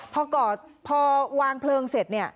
พอวางเพลิงเสร็จเนี่ย